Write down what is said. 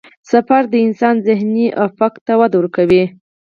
سفر د انسان ذهني افق ته وده ورکوي.